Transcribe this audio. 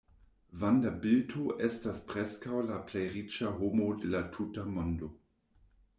Vanderbilto estas preskaŭ la plej riĉa homo de la tuta mondo.